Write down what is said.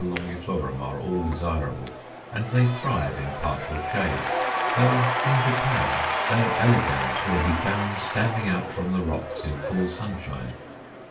longiflorum_ are all desirable, and they thrive in partial shade, though in Japan L. elegans will be found standing out from the rocks in full sunshine.